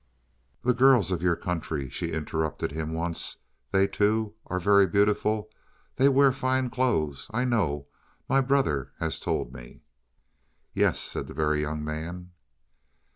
"These girls of your country," she interrupted him once. "They, too, are very beautiful; they wear fine clothes I know my brother he has told me." "Yes," said the Very Young Man.